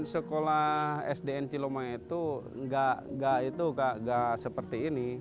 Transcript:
sekolah sdn ciloma itu nggak seperti ini